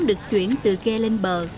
được chuyển từ ghe lên bờ